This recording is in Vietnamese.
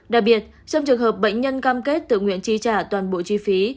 đặc biệt trong trường hợp bệnh nhân cam kết tự nguyện chi trả toàn bộ chi phí